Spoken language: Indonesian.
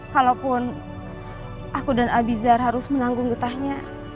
kalaupun aku dan abizar harus menanggung getahnya